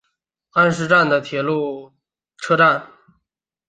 安食站的铁路车站。